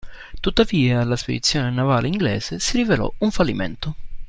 Tuttavia la spedizione navale inglese si rivelò un fallimento.